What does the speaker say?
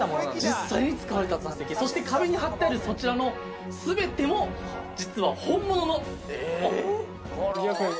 実際に使われた座席そして壁に貼ってあるそちらの全ても実は本物の・え！